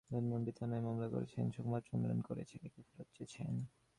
ধানমন্ডি থানায় মামলা করেছেন, সংবাদ সম্মেলন করে ছেলেকে ফেরত চেয়েছেন।